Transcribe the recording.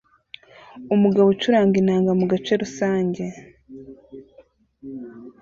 Umugabo ucuranga inanga mu gace rusange